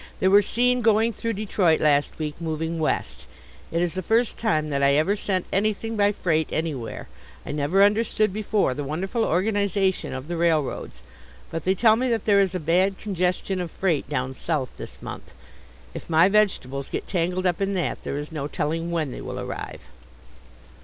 They were seen going through Detroit last week, moving west. It is the first time that I ever sent anything by freight anywhere. I never understood before the wonderful organization of the railroads. But they tell me that there is a bad congestion of freight down South this month. If my vegetables get tangled up in that there is no telling when they will arrive.